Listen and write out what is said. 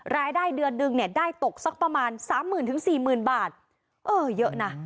รายได้เดือนนึงได้ตกสักประมาณ๓๐๐๐๐๔๐๐๐๐บาทเยอะนะ